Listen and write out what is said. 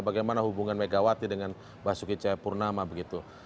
bagaimana hubungan megawati dengan basuki cahayapurnama begitu